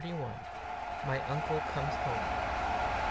MY UNCLE COMES HOME.